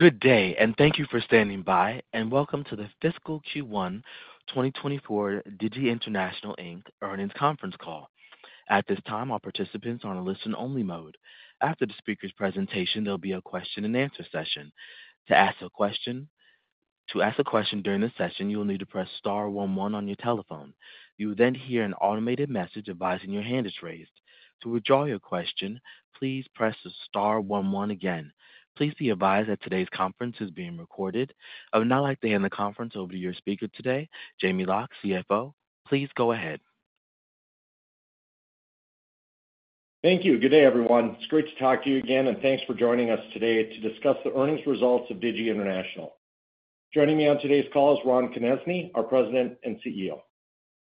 Good day, and thank you for standing by, and welcome to the Fiscal Q1 2024 Digi International Inc. Earnings Conference Call. At this time, all participants are on a listen-only mode. After the speaker's presentation, there'll be a question-and-answer session. To ask a question during this session, you will need to press star one one on your telephone. You will then hear an automated message advising your hand is raised. To withdraw your question, please press star one one again. Please be advised that today's conference is being recorded. I would now like to hand the conference over to your speaker today, Jamie Loch, CFO. Please go ahead. Thank you. Good day, everyone. It's great to talk to you again, and thanks for joining us today to discuss the earnings results of Digi International. Joining me on today's call is Ron Konezny, our President and CEO.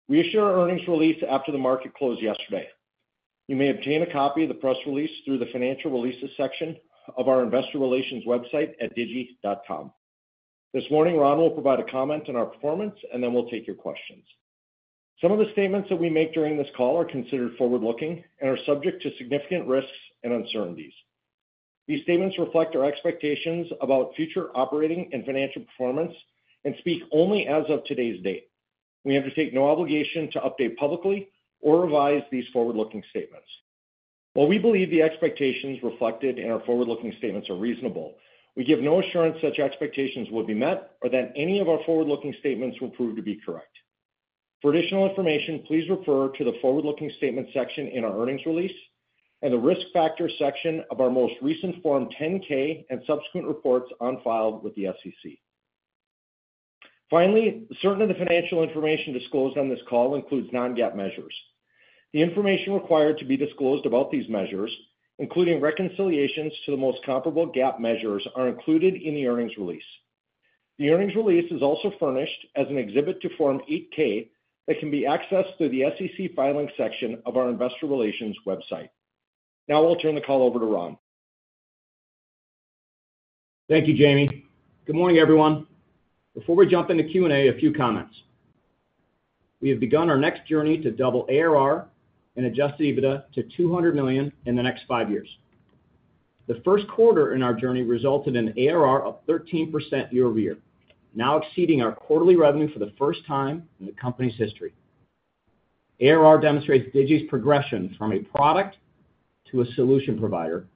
We issued our earnings release after the market closed yesterday. You may obtain a copy of the press release through the Financial Releases section of our investor relations website at digi.com. This morning, Ron will provide a comment on our performance, and then we'll take your questions. Some of the statements that we make during this call are considered forward-looking and are subject to significant risks and uncertainties. These statements reflect our expectations about future operating and financial performance and speak only as of today's date. We undertake no obligation to update publicly or revise these forward-looking statements. While we believe the expectations reflected in our forward-looking statements are reasonable, we give no assurance such expectations will be met or that any of our forward-looking statements will prove to be correct. For additional information, please refer to the Forward-Looking Statement section in our earnings release and the Risk Factor section of our most recent Form 10-K and subsequent reports on file with the SEC. Finally, certain of the financial information disclosed on this call includes non-GAAP measures. The information required to be disclosed about these measures, including reconciliations to the most comparable GAAP measures, are included in the earnings release. The earnings release is also furnished as an exhibit to Form 8-K that can be accessed through the SEC Filings section of our investor relations website. Now I'll turn the call over to Ron. Thank you, Jamie. Good morning, everyone. Before we jump into Q&A, a few comments. We have begun our next journey to double ARR and Adjusted EBITDA to $200 million in the next five years. The first quarter in our journey resulted in ARR of 13% year-over-year, now exceeding our quarterly revenue for the first time in the company's history. ARR demonstrates Digi's progression from a product to a solution provider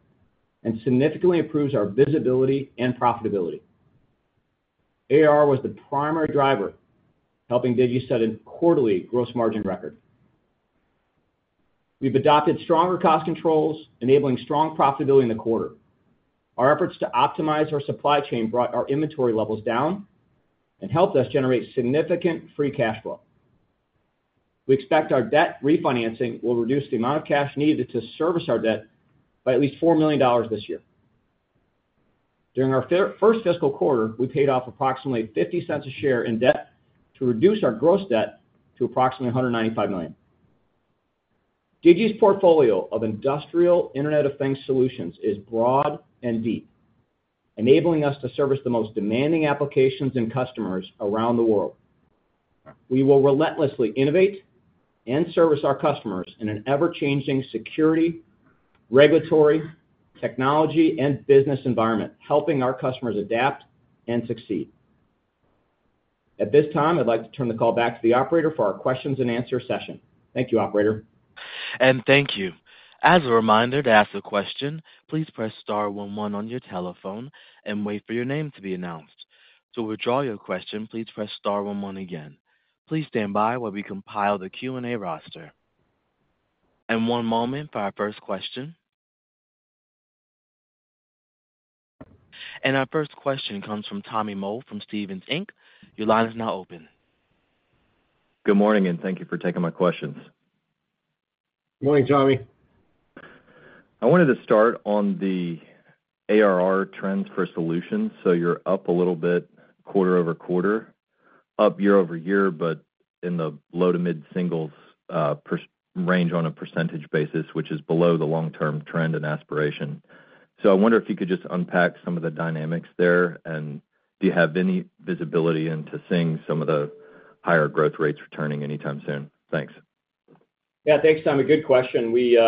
and significantly improves our visibility and profitability. ARR was the primary driver, helping Digi set a quarterly gross margin record. We've adopted stronger cost controls, enabling strong profitability in the quarter. Our efforts to optimize our supply chain brought our inventory levels down and helped us generate significant free cash flow. We expect our debt refinancing will reduce the amount of cash needed to service our debt by at least $4 million this year. During our first fiscal quarter, we paid off approximately $0.50 a share in debt to reduce our gross debt to approximately $195 million. Digi's portfolio of Industrial Internet of Things solutions is broad and deep, enabling us to service the most demanding applications and customers around the world. We will relentlessly innovate and service our customers in an ever-changing security, regulatory, technology, and business environment, helping our customers adapt and succeed. At this time, I'd like to turn the call back to the operator for our questions and answer session. Thank you, operator. Thank you. As a reminder, to ask a question, please press star one one on your telephone and wait for your name to be announced. To withdraw your question, please press star one one again. Please stand by while we compile the Q&A roster. One moment for our first question. Our first question comes from Tommy Moll from Stephens Inc. Your line is now open. Good morning, and thank you for taking my questions. Good morning, Tommy. I wanted to start on the ARR trends for solutions. So you're up a little bit quarter-over-quarter, up year-over-year, but in the low- to mid-singles range on a percentage basis, which is below the long-term trend and aspiration. So I wonder if you could just unpack some of the dynamics there, and do you have any visibility into seeing some of the higher growth rates returning anytime soon? Thanks. Yeah, thanks, Tommy. Good question. We,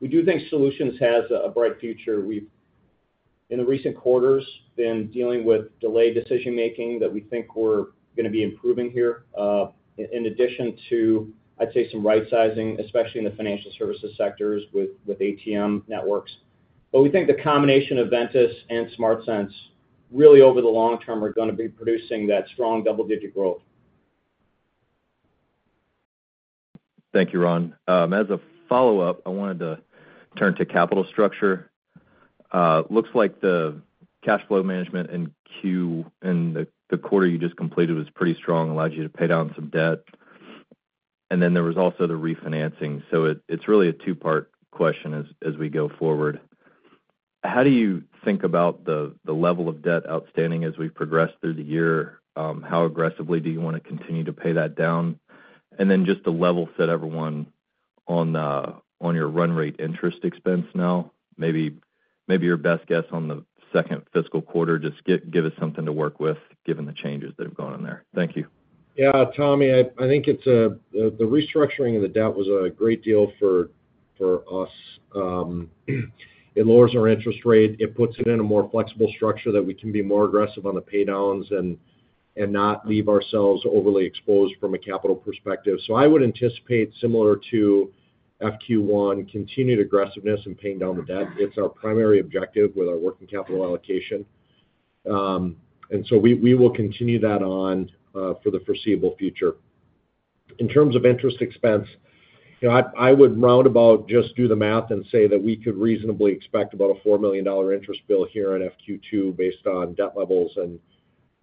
we do think solutions has a, a bright future. We've, in the recent quarters, been dealing with delayed decision-making that we think we're going to be improving here, in addition to, I'd say, some right sizing, especially in the financial services sectors with, with ATM networks. But we think the combination of Ventus and SmartSense, really, over the long term, are going to be producing that strong double-digit growth. Thank you, Ron. As a follow-up, I wanted to turn to capital structure. Looks like the cash flow management in the quarter you just completed was pretty strong, allowed you to pay down some debt. And then there was also the refinancing. So it's really a two-part question as we go forward. How do you think about the level of debt outstanding as we progress through the year? How aggressively do you want to continue to pay that down? And then just to level set everyone on your run rate interest expense now, maybe your best guess on the second fiscal quarter. Just give us something to work with, given the changes that have gone on there. Thank you. Yeah, Tommy, I think it's a the restructuring of the debt was a great deal for for us, it lowers our interest rate. It puts it in a more flexible structure that we can be more aggressive on the pay downs and not leave ourselves overly exposed from a capital perspective. So I would anticipate, similar to FQ1, continued aggressiveness in paying down the debt. It's our primary objective with our working capital allocation. And so we will continue that on for the foreseeable future. In terms of interest expense, you know, I would roundabout just do the math and say that we could reasonably expect about a $4 million interest bill here in FQ2 based on debt levels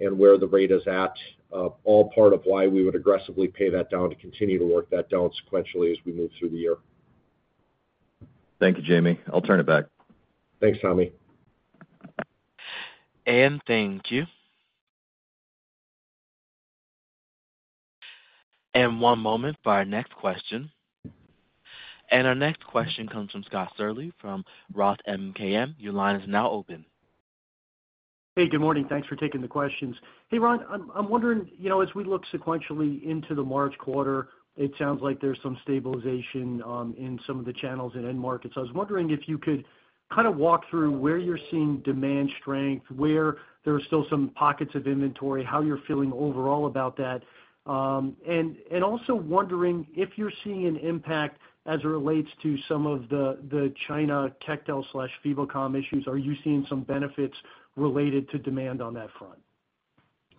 and where the rate is at, all part of why we would aggressively pay that down to continue to work that down sequentially as we move through the year. Thank you, Jamie. I'll turn it back. Thanks, Tommy. Thank you. One moment for our next question. Our next question comes from Scott Searle from Roth MKM. Your line is now open. Hey, good morning. Thanks for taking the questions. Hey, Ron, I'm wondering, you know, as we look sequentially into the March quarter, it sounds like there's some stabilization in some of the channels and end markets. I was wondering if you could kind of walk through where you're seeing demand strength, where there are still some pockets of inventory, how you're feeling overall about that? And also wondering if you're seeing an impact as it relates to some of the, the China Quectel/Fibocom issues. Are you seeing some benefits related to demand on that front?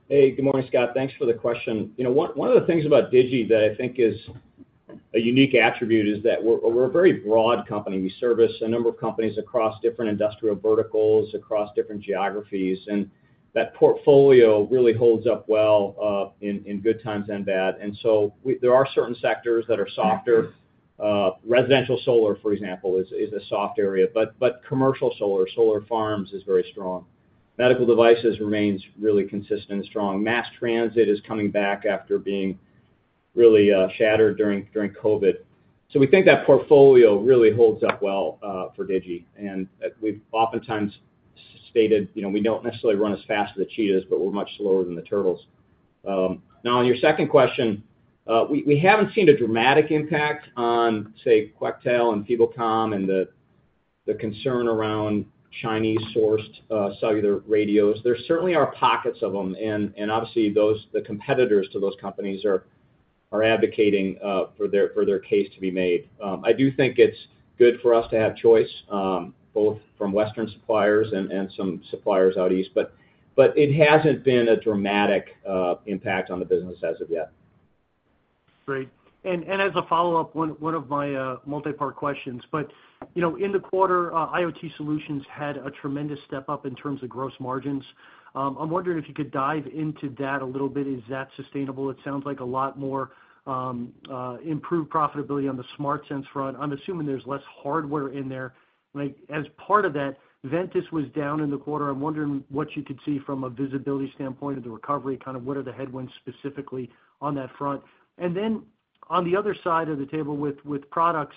Hey, good morning, Scott. Thanks for the question. You know, one of the things about Digi that I think is a unique attribute is that we're a very broad company. We service a number of companies across different industrial verticals, across different geographies, and that portfolio really holds up well in good times and bad. And so there are certain sectors that are softer. Residential solar, for example, is a soft area, but commercial solar, solar farms, is very strong. Medical devices remains really consistent and strong. Mass transit is coming back after being really shattered during COVID. So we think that portfolio really holds up well for Digi, and we've oftentimes stated, you know, we don't necessarily run as fast as the cheetahs, but we're much slower than the turtles. Now, on your second question, we haven't seen a dramatic impact on, say, Quectel and Fibocom and the concern around Chinese-sourced cellular radios. There certainly are pockets of them, and obviously, those competitors to those companies are advocating for their case to be made. I do think it's good for us to have choice, both from Western suppliers and some suppliers out east, but it hasn't been a dramatic impact on the business as of yet. Great. As a follow-up, one of my multipart questions, but you know, in the quarter, IoT solutions had a tremendous step up in terms of gross margins. I'm wondering if you could dive into that a little bit. Is that sustainable? It sounds like a lot more improved profitability on the SmartSense front. I'm assuming there's less hardware in there. Like, as part of that, Ventus was down in the quarter. I'm wondering what you could see from a visibility standpoint of the recovery, kind of what are the headwinds specifically on that front? And then on the other side of the table with products,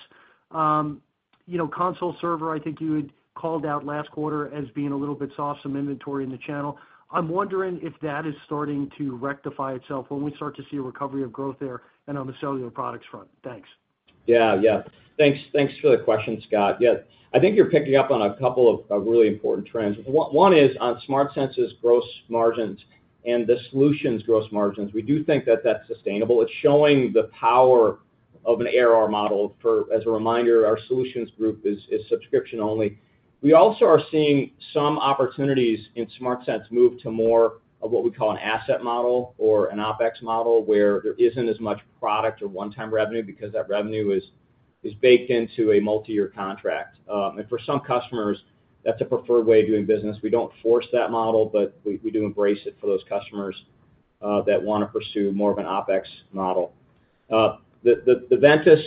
you know, console server, I think you had called out last quarter as being a little bit soft, some inventory in the channel. I'm wondering if that is starting to rectify itself. When we start to see a recovery of growth there and on the cellular products front. Thanks. Yeah, yeah. Thanks, thanks for the question, Scott. Yeah, I think you're picking up on a couple of really important trends. One is on SmartSense's gross margins and the solutions gross margins. We do think that that's sustainable. It's showing the power of an ARR model. As a reminder, our solutions group is subscription only. We also are seeing some opportunities in SmartSense move to more of what we call an asset model or an OpEx model, where there isn't as much product or one-time revenue because that revenue is baked into a multi-year contract. And for some customers, that's a preferred way of doing business. We don't force that model, but we do embrace it for those customers that wanna pursue more of an OpEx model. The Ventus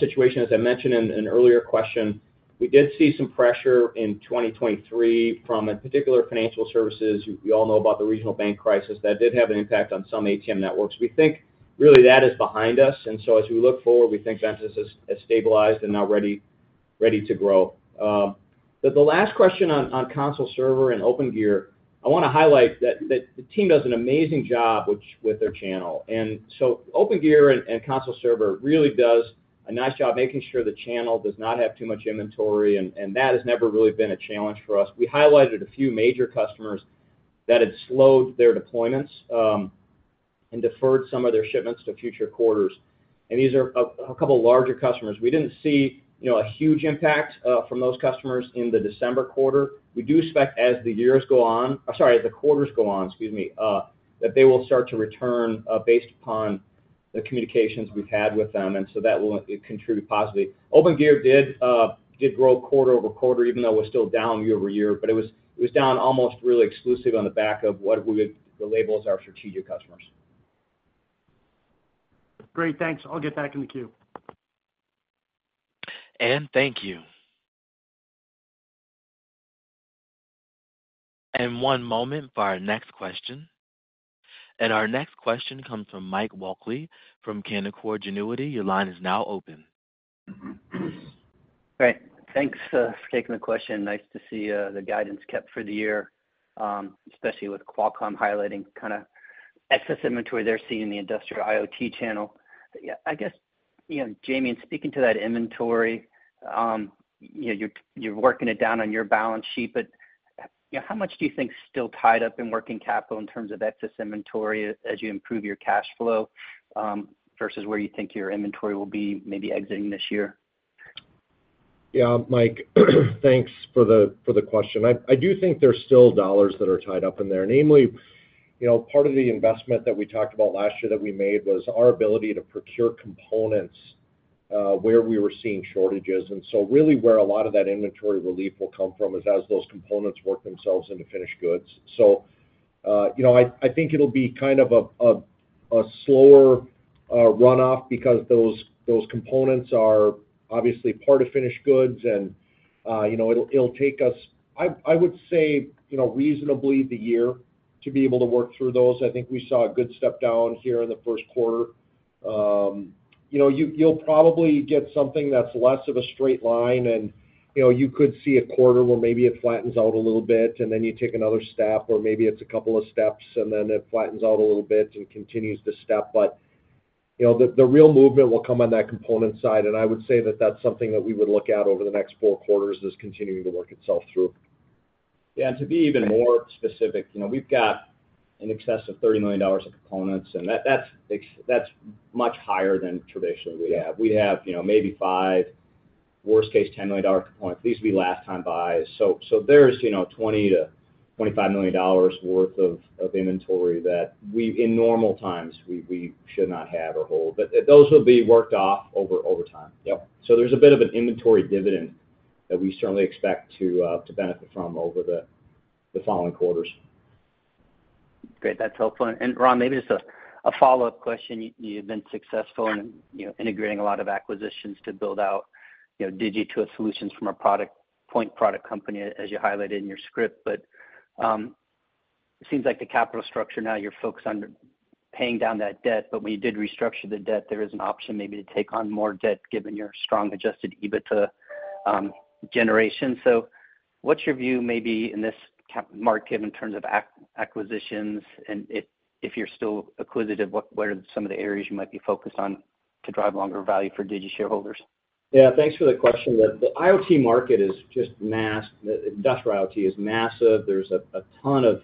situation, as I mentioned in an earlier question, we did see some pressure in 2023 from a particular financial services. We all know about the regional bank crisis. That did have an impact on some ATM networks. We think really that is behind us, and so as we look forward, we think Ventus is stabilized and now ready to grow. But the last question on console server and Opengear, I wanna highlight that the team does an amazing job with their channel. And so Opengear and console server really does a nice job making sure the channel does not have too much inventory, and that has never really been a challenge for us. We highlighted a few major customers that had slowed their deployments, and deferred some of their shipments to future quarters, and these are a couple larger customers. We didn't see, you know, a huge impact from those customers in the December quarter. We do expect as the years go on, sorry, as the quarters go on, excuse me, that they will start to return, based upon the communications we've had with them, and so that will contribute positively. Opengear did grow quarter-over-quarter, even though it was still down year-over-year, but it was down almost really exclusive on the back of what we would label as our strategic customers. Great, thanks. I'll get back in the queue. Thank you. One moment for our next question. Our next question comes from Mike Walkley from Canaccord Genuity. Your line is now open. Great. Thanks for taking the question. Nice to see the guidance kept for the year, especially with Qualcomm highlighting kinda excess inventory they're seeing in the industrial IoT channel. Yeah, I guess, you know, Jamie, and speaking to that inventory, you know, you're working it down on your balance sheet, but you know, how much do you think is still tied up in working capital in terms of excess inventory as you improve your cash flow versus where you think your inventory will be maybe exiting this year? Yeah, Mike, thanks for the question. I do think there's still dollars that are tied up in there. Namely, you know, part of the investment that we talked about last year that we made was our ability to procure components where we were seeing shortages. And so really where a lot of that inventory relief will come from is as those components work themselves into finished goods. So, you know, I think it'll be kind of a slower runoff because those components are obviously part of finished goods, and, you know, it'll take us, I would say, you know, reasonably the year to be able to work through those. I think we saw a good step down here in the first quarter. You know, you'll probably get something that's less of a straight line, and, you know, you could see a quarter where maybe it flattens out a little bit, and then you take another step, or maybe it's a couple of steps, and then it flattens out a little bit and continues to step. But, you know, the real movement will come on that component side, and I would say that that's something that we would look at over the next four quarters as continuing to work itself through. Yeah, and to be even more specific, you know, we've got in excess of $30 million of components, and that's much higher than traditionally we have. We have, you know, maybe $5 million, worst case, $10 million of components. These would be last time buys. So there's, you know, $20-$25 million worth of inventory that we in normal times, we should not have or hold. But those will be worked off over time. Yep. There's a bit of an inventory dividend that we certainly expect to benefit from over the following quarters. Great. That's helpful. And Ron, maybe just a follow-up question. You've been successful in, you know, integrating a lot of acquisitions to build out, you know, Digi to a solutions from a point product company, as you highlighted in your script. But it seems like the capital structure now, you're focused on paying down that debt, but when you did restructure the debt, there is an option maybe to take on more debt, given your strong Adjusted EBITDA generation. So what's your view maybe in this capital market in terms of acquisitions? And if you're still acquisitive, what are some of the areas you might be focused on to drive longer value for Digi shareholders? Yeah, thanks for the question. The IoT market is just massive. The industrial IoT is massive. There's a ton of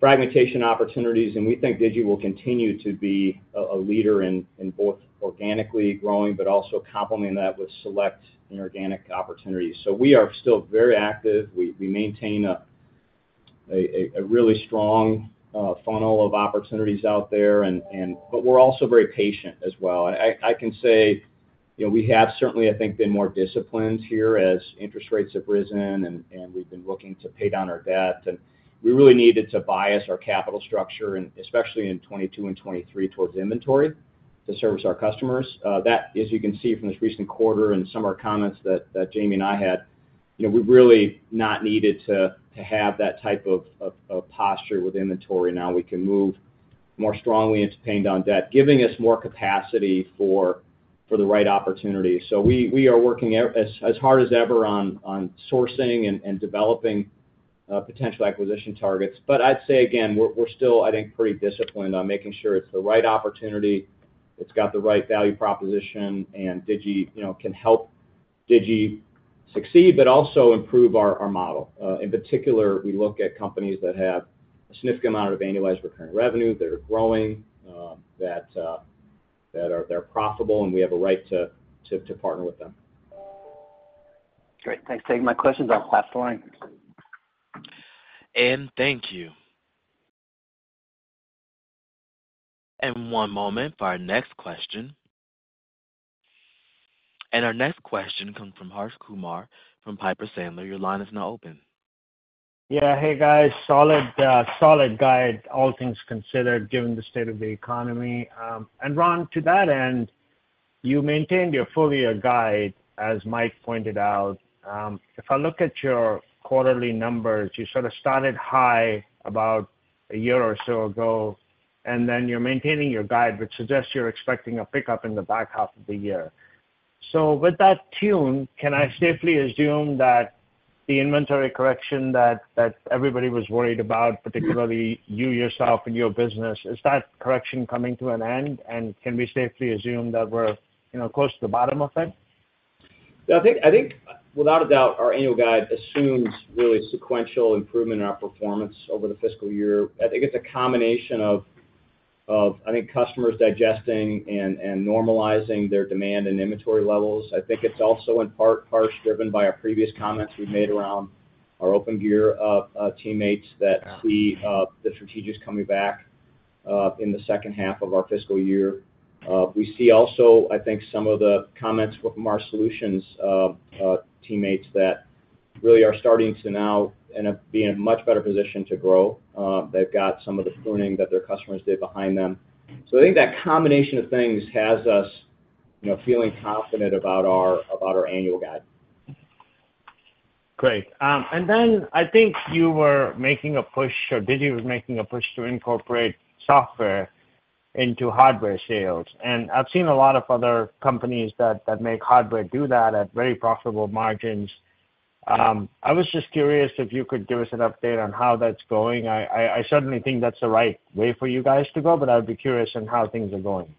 fragmentation opportunities, and we think Digi will continue to be a leader in both organically growing, but also complement that with select inorganic opportunities. So we are still very active. We maintain a really strong funnel of opportunities out there, and but we're also very patient as well. I can say, you know, we have certainly, I think, been more disciplined here as interest rates have risen, and we've been looking to pay down our debt. And we really needed to bias our capital structure, and especially in 2022 and 2023, towards inventory to service our customers. That, as you can see from this recent quarter and some of our comments that Jamie and I had, you know, we've really not needed to have that type of posture with inventory. Now we can move more strongly into paying down debt, giving us more capacity for the right opportunity. So we are working as hard as ever on sourcing and developing potential acquisition targets. But I'd say again, we're still, I think, pretty disciplined on making sure it's the right opportunity, it's got the right value proposition, and Digi, you know, can help Digi succeed, but also improve our model. In particular, we look at companies that have a significant amount of annualized recurring revenue, that are growing, that are profitable, and we have a right to partner with them. Great. Thanks for taking my questions. I'll pass the line. Thank you. One moment for our next question. Our next question comes from Harsh Kumar from Piper Sandler. Your line is now open. Yeah. Hey, guys. Solid, solid guide, all things considered, given the state of the economy. And Ron, to that end, you maintained your full year guide, as Mike pointed out. If I look at your quarterly numbers, you sort of started high about a year or so ago, and then you're maintaining your guide, which suggests you're expecting a pickup in the back half of the year. So with that tune, can I safely assume that the inventory correction that everybody was worried about, particularly you, yourself, and your business, is that correction coming to an end, and can we safely assume that we're, you know, close to the bottom of it? Yeah, I think, I think without a doubt, our annual guide assumes really sequential improvement in our performance over the fiscal year. I think it's a combination of, of, I think, customers digesting and, and normalizing their demand and inventory levels. I think it's also in part, Harsh, driven by our previous comments we've made around our Opengear teammates, that we, the strategic is coming back, in the second half of our fiscal year. We see also, I think, some of the comments from our solutions teammates that really are starting to now end up being in a much better position to grow. They've got some of the pruning that their customers did behind them. So I think that combination of things has us, you know, feeling confident about our, about our annual guide. Great. And then I think you were making a push, or Digi was making a push to incorporate software into hardware sales. And I've seen a lot of other companies that make hardware do that at very profitable margins. I was just curious if you could give us an update on how that's going. I certainly think that's the right way for you guys to go, but I would be curious on how things are going.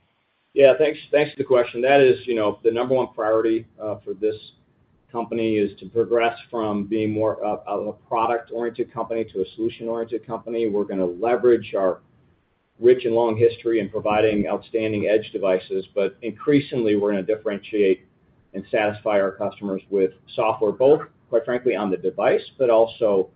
Yeah, thanks. Thanks for the question. That is, you know, the number one priority for this company is to progress from being more of a product-oriented company to a solution-oriented company. We're gonna leverage our rich and long history in providing outstanding edge devices, but increasingly, we're gonna differentiate and satisfy our customers with software, both quite frankly on the device, but also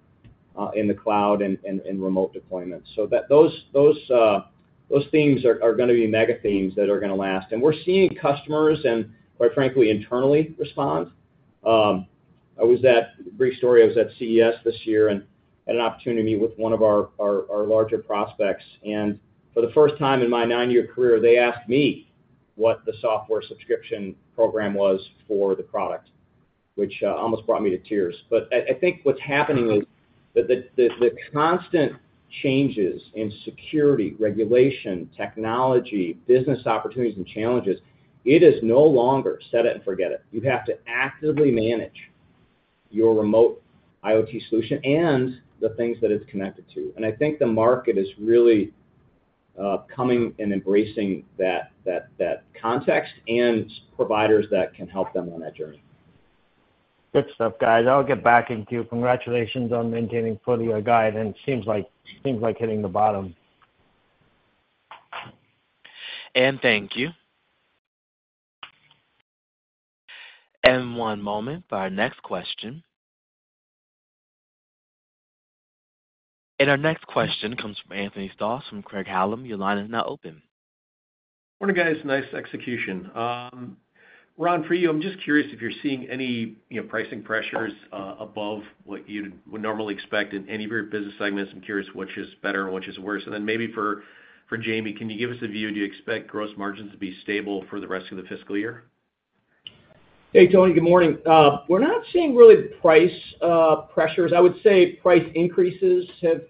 in the cloud and in remote deployments. So those themes are gonna be mega themes that are gonna last. And we're seeing customers, and quite frankly, internally, respond. Brief story, I was at CES this year and had an opportunity to meet with one of our larger prospects. For the first time in my nine-year career, they asked me what the software subscription program was for the product, which almost brought me to tears. But I think what's happening is that the constant changes in security, regulation, technology, business opportunities and challenges; it is no longer set it and forget it. You have to actively manage your remote IoT solution and the things that it's connected to. And I think the market is really coming and embracing that context and providers that can help them on that journey. Good stuff, guys. I'll get back into you. Congratulations on maintaining fully your guide, and it seems like, seems like hitting the bottom. Thank you. One moment for our next question. Our next question comes from Anthony Stoss from Craig-Hallum. Your line is now open. Morning, guys. Nice execution. Ron, for you, I'm just curious if you're seeing any, you know, pricing pressures above what you would normally expect in any of your business segments. I'm curious which is better and which is worse. And then maybe for Jamie, can you give us a view, do you expect gross margins to be stable for the rest of the fiscal year? Hey, Tony. Good morning. We're not seeing really price pressures. I would say price increases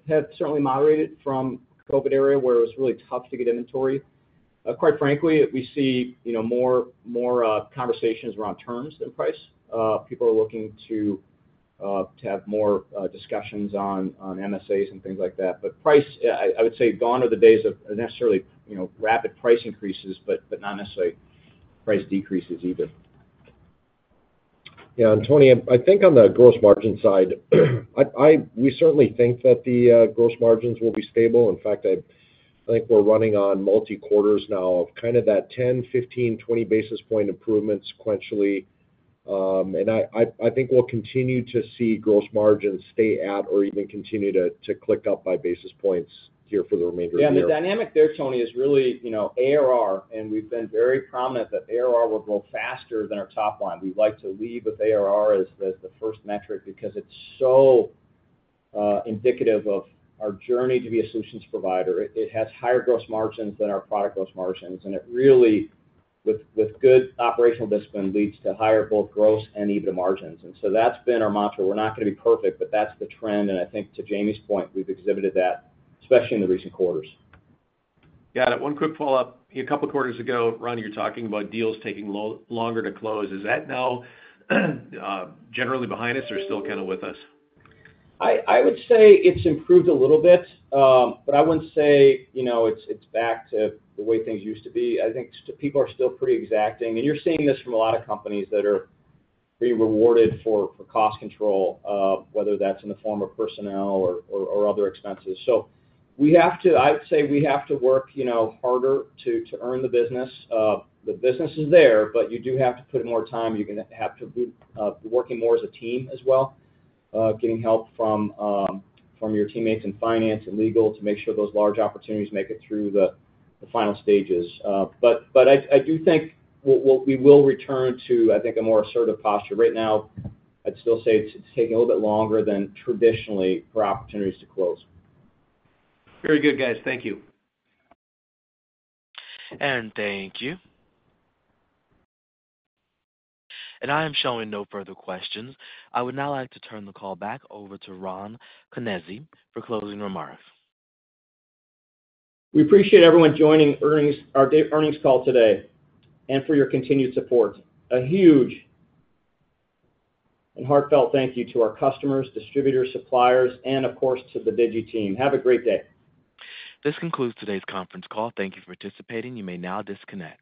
have certainly moderated from COVID era, where it was really tough to get inventory. Quite frankly, we see, you know, more conversations around terms than price. People are looking to have more discussions on MSAs and things like that. But price, I would say gone are the days of necessarily, you know, rapid price increases, but not necessarily price decreases either. Yeah, and Tony, I think on the gross margin side, I-- we certainly think that the gross margins will be stable. In fact, I think we're running on multi quarters now of kind of that 10, 15, 20 basis point improvement sequentially. And I think we'll continue to see gross margins stay at or even continue to click up by basis points here for the remainder of the year. Yeah, the dynamic there, Tony, is really, you know, ARR, and we've been very prominent that ARR will grow faster than our top line. We'd like to lead with ARR as the first metric because it's so indicative of our journey to be a solutions provider. It has higher gross margins than our product gross margins, and it really, with good operational discipline, leads to higher both gross and EBITDA margins. And so that's been our mantra. We're not gonna be perfect, but that's the trend, and I think to Jamie's point, we've exhibited that, especially in the recent quarters. Got it. One quick follow-up. A couple quarters ago, Ron, you were talking about deals taking longer to close. Is that now, generally behind us or still kind of with us? I would say it's improved a little bit, but I wouldn't say, you know, it's back to the way things used to be. I think people are still pretty exacting, and you're seeing this from a lot of companies that are being rewarded for cost control, whether that's in the form of personnel or other expenses. So I'd say we have to work, you know, harder to earn the business. The business is there, but you do have to put in more time. You're gonna have to be working more as a team as well, getting help from your teammates in finance and legal to make sure those large opportunities make it through the final stages. But I do think we will return to, I think, a more assertive posture. Right now, I'd still say it's taking a little bit longer than traditionally for opportunities to close. Very good, guys. Thank you. Thank you. I am showing no further questions. I would now like to turn the call back over to Ron Konezny for closing remarks. We appreciate everyone joining our earnings call today, and for your continued support. A huge and heartfelt thank you to our customers, distributors, suppliers, and of course, to the Digi team. Have a great day. This concludes today's conference call. Thank you for participating. You may now disconnect.